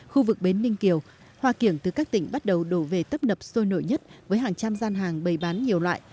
khu vực bến ninh kiều hoa kiểng từ các tỉnh bắt đầu đổ về tấp nập sôi nổi nhất với hàng trăm gian hàng bày bán nhiều loại